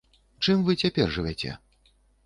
Чым вы цяпер жывяце?